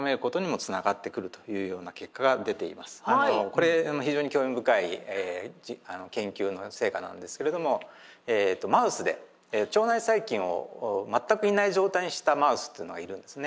これ非常に興味深い研究の成果なんですけれどもマウスで腸内細菌を全くいない状態にしたマウスというのがいるんですね。